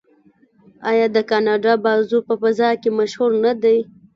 آیا د کاناډا بازو په فضا کې مشهور نه دی؟